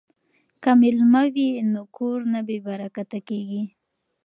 که میلمه وي نو کور نه بې برکته کیږي.